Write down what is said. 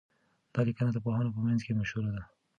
دا لیکنه د پوهانو په منځ کي مشهوره ده.